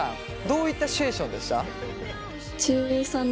どういったシチュエーションでした？